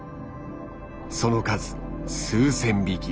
その数数千匹。